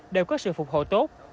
đều có sự phục hộ tốt